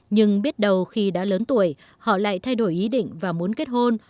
nhưng biết đầu khi đã lớn tuổi họ lại thay đổi ý định và muốn kết hôn